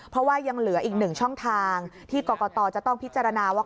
เพราะว่ายังเหลืออีกหนึ่งช่องทางที่กรกตจะต้องพิจารณาว่า